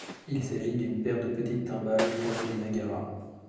Il s'agit d'une paire de petites timbales proches du nagara.